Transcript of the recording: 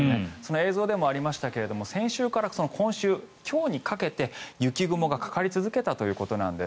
映像でもありましたが先週から今週、今日にかけて雪雲がかかり続けたということなんです。